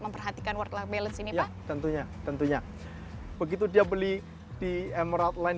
memperhatikan workload balance ini tentunya tentunya begitu dia beli di emerald land